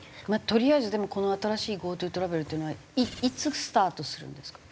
とりあえずでもこの新しいＧｏＴｏトラベルっていうのはいつスタートするんですか？